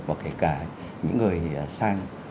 hoặc cả những người sang